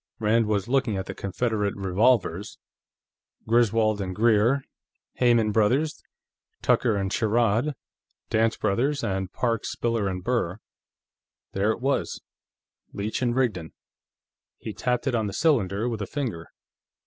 Rand was looking at the Confederate revolvers. Griswold & Grier, Haiman Brothers, Tucker & Sherrod, Dance Brothers & Park, Spiller & Burr there it was: Leech & Rigdon. He tapped it on the cylinder with a finger.